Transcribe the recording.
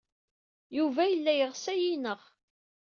Yuba yella yeɣs ad iyi-ineɣ.